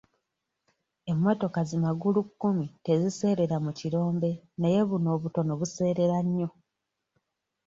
Emmotoka zi magulukkumi teziseerera mu kirombe naye buno obutono buseerera nnyo.